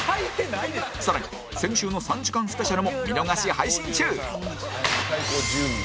更に先週の３時間スペシャルも見逃し配信中